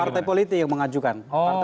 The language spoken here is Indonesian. partai politik yang mengajukan